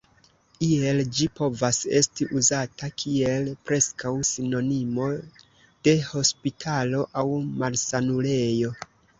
Iel ĝi povas esti uzata kiel preskaŭ sinonimo de hospitalo aŭ malsanulejo.